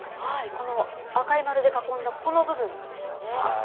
この赤い丸で囲んだ部分ですよね。